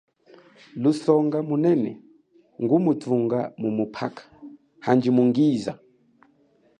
Lusonga munene ngumuthumba mumuphaka.